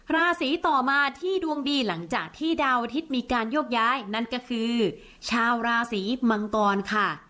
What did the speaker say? ราศีต่อมาที่ดวงดีหลังจากที่ดาวอาทิตย์มีการโยกย้ายนั่นก็คือชาวราศีมังกรค่ะ